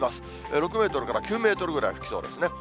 ６メートルから９メートルぐらい吹きそうですね。